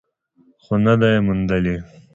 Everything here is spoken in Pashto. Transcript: خو نه ده یې موندلې.